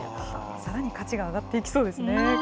さらに価値が上がっていきそ